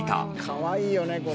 かわいいよね、これ。